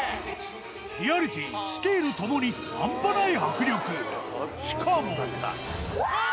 リアリティースケールともに半端ない迫力しかもうわぁ！